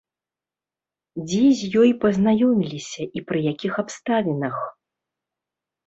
Дзе з ёй пазнаёміліся і пры якіх абставінах?